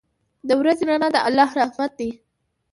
• د ورځې رڼا د الله رحمت دی.